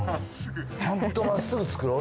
ちゃんとまっすぐつくろう。